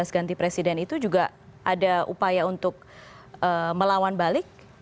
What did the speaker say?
dua ribu sembilan belas ganti presiden itu juga ada upaya untuk melawan balik